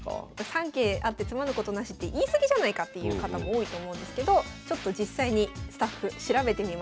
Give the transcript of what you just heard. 「三桂あって詰まぬことなし」って言い過ぎじゃないかっていう方も多いと思うんですけどちょっと実際にスタッフ調べてみました。